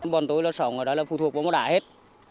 bọn tôi là sống ở đó là phù thuộc vào mỏ đá hết